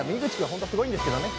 本当はすごいんですけどね。